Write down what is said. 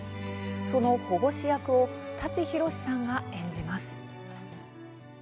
その保護司役を舘ひろしさんが演じます。